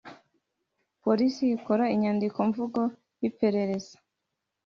polisi ikora inyandiko mvugo y iperereza